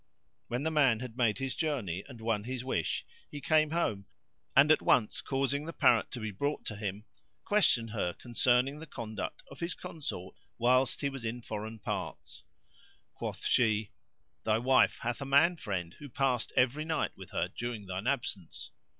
When the man had made his journey and won his wish he came home; and, at once causing the Parrot be brought to him, questioned her concerning the conduct of his consort whilst he was in foreign parts. Quoth she, "Thy wife hath a man friend who passed every night with her during thine absence."